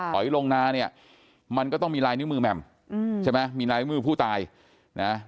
ถอยลงนาเนี่ยมันก็ต้องมีลายนิ้วมือแหม่มใช่ไหมมีลายมือผู้ตายนะ